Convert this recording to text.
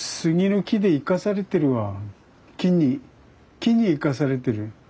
木に生かされてる。